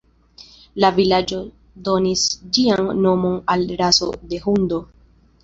La vilaĝo donis ĝian nomon al raso de hundo.